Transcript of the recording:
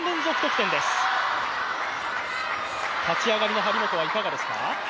立ち上がりの張本はいかがですか？